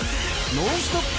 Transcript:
ノンストップ！